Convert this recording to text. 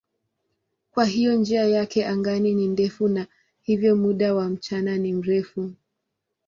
Kwa hiyo njia yake angani ni ndefu na hivyo muda wa mchana ni mrefu.